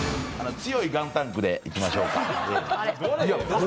強いガンタンクでいきましょうか。